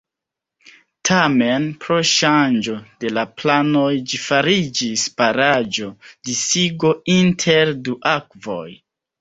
Tamen, pro ŝanĝo de la planoj ĝi fariĝis baraĵo: disigo inter du akvoj.